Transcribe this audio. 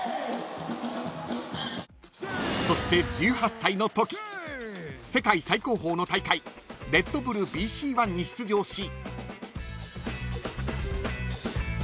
［そして１８歳のとき世界最高峰の大会ＲｅｄＢｕｌｌＢＣＯｎｅに出場し］